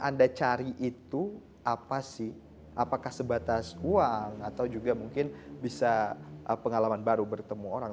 anda cari itu apa sih apakah sebatas uang atau juga mungkin bisa pengalaman baru bertemu orang